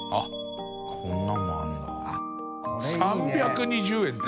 ３２０円。